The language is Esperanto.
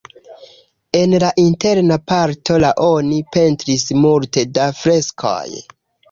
En la interna parto la oni pentris multe da freskoj.